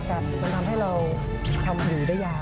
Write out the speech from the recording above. ก็จะทำให้เราอยู่ได้ยาว